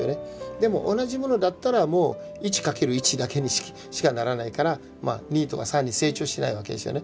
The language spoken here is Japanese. でも同じものだったらもう１×１だけにしかならないからまあ２とか３に成長しないわけですよね。